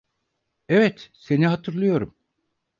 Evet, seni hatırlıyorum.